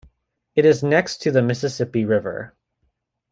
It is next to the Mississippi River.